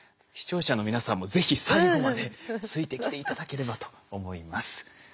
視聴者の皆さんも是非最後までついてきて頂ければと思います。